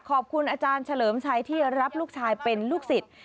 ขอบคุณอาจารย์เฉลิมชัยที่รับลูกชายเป็นลูกศิษย์